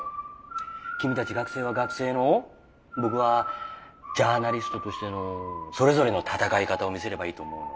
君たち学生は学生の僕はジャーナリストとしてのそれぞれの戦い方を見せればいいと思うの。